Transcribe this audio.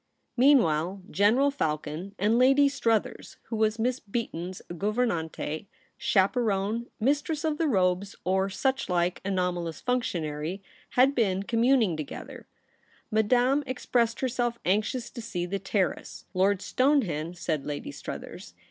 Meanwhile General Falcon and Lady Struthers, who was Miss Beaton's gotive^ni ante, chaperone, Mistress of the Robes or such like anomalous functionary, had been communincr too^ether. ' Madame expressed herself anxious to see the Terrace, Lord Stonehenge,' said Lady Struthers.